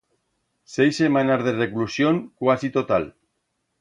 Seis semanas de reclusión cuasi total.